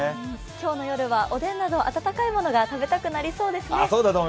今日の夜はおでんなど温かいものが食べたくなりますね。